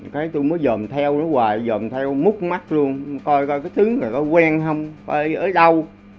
cái tôi mới dồn theo nó hoài dồn theo múc mắt luôn coi ra cái thứ này có quen không coi ở đâu